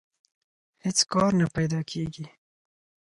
هېڅ کار نه پیدا کېږي